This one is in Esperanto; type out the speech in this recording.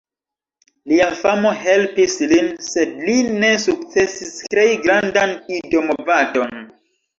Lia famo helpis lin; sed li ne sukcesis krei grandan Ido-movadon.